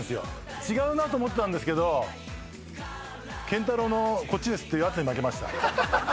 違うなと思ったんですけど健太郎の「こっちです」っていう圧に負けました。